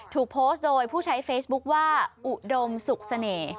ถูกโพสต์โดยผู้ใช้เฟซบุ๊คว่าอุดมสุขเสน่ห์